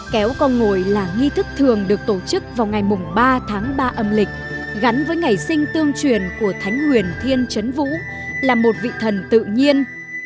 kéo con ngồi là nghi thức thường được tổ chức vào ngày ba tháng ba âm lịch gắn với ngày sinh tương truyền của thánh huyền thiên trấn vũ là một vị thần tự nhiên